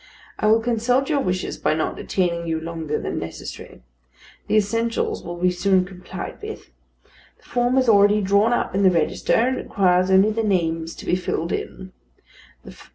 I will consult your wishes by not detaining you longer than necessary. The essentials will be soon complied with. The form is already drawn up in the register, and it requires only the names to be filled in.